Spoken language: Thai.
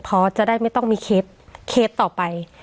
เพราะจะได้ไม่ต้องมีเคสต่อไป